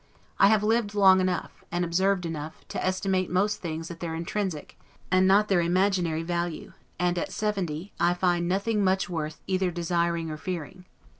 I have lived long enough, and observed enough, to estimate most things at their intrinsic, and not their imaginary value; and, at seventy, I find nothing much worth either desiring or fearing.